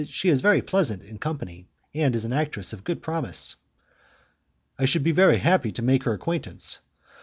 She is very pleasant in company, and is an actress of good promise." "I should be very happy to make her acquaintance."